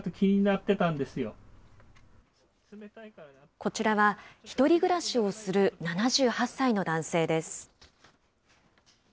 こちらは一人暮らしをする７８歳の男性です。